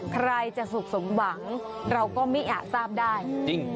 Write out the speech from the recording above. ทราบได้จริง